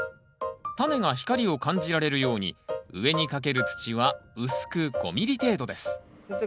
タネが光を感じられるように上にかける土は薄く５ｍｍ程度です先生